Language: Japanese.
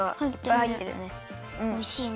おいしいね。